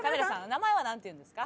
名前はなんていうんですか？